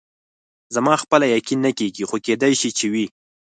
زما خپله یقین نه کېږي، خو کېدای شي چې وي.